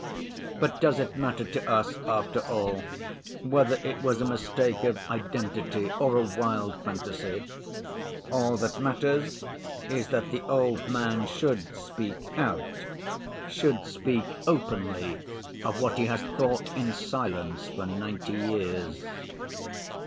But does it matter to us after all whether it was a mistake of identity or a wild fantasy? All that matters is that the old man should speak out, should speak openly of what he has thought in silence for ninety years."